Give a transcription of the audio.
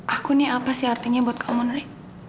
aku nih apa sih artinya buat kamu nih